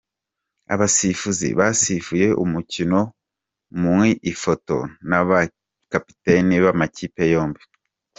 Abasifuzi basifuye umukino mu ifoto n'abakapiteni b'amakipe yombi.